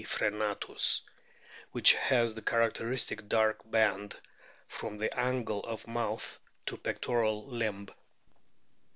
frccnatus, which has the characteristic dark band from the angle of mouth to pectoral limb.